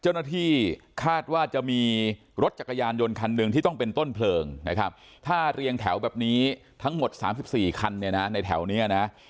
เจ้าหน้าที่คาดว่าจะมีรถจักรยานยนต์คันหนึ่งที่ต้องเป็นต้นเพลิงนะครับถ้าเรียงแถวแบบนี้ทั้งหมด๓๔คันเนี่ยนะในแถวนี้นะ